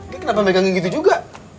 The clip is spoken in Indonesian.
nih kenapa lo megangin gitu juga